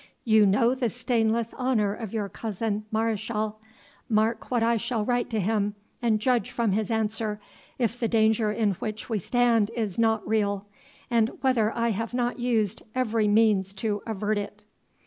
You know the stainless honour of your cousin Mareschal mark what I shall write to him, and judge from his answer, if the danger in which we stand is not real, and whether I have not used every means to avert it."